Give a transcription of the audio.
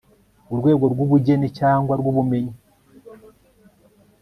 urwego rw ubugeni cyangwa rw ubumenyi